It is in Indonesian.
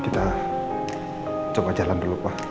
kita coba jalan dulu pa ya